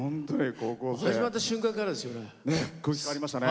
始まった瞬間からですよね。